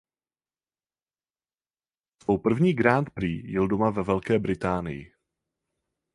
Svou první Grand Prix jel doma ve Velké Británii.